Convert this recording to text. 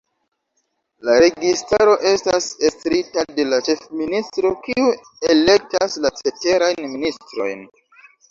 La registaro estas estrita de la Ĉefministro, kiu elektas la ceterajn ministrojn.